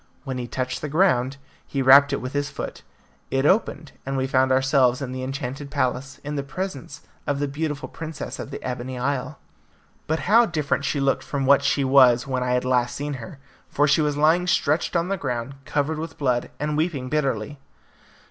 When he touched the ground, he rapped it with his foot; it opened, and we found ourselves in the enchanted palace, in the presence of the beautiful princess of the Ebony Isle. But how different she looked from what she was when I had last seen her, for she was lying stretched on the ground covered with blood, and weeping bitterly.